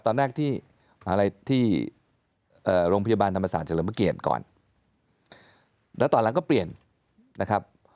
ตอนแรกที่อะไรที่โรงพยาบาลธรรมศาสตร์เฉลิมพระเกียรติก่อนแล้วตอนหลังก็เปลี่ยนนะครับ